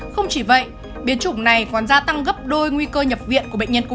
không chỉ vậy biến chủng này còn gia tăng gấp đôi nguy cơ nhập viện của biến thể này